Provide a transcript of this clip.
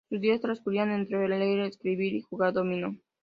Sus días transcurrían entre leer, escribir y jugar dominó.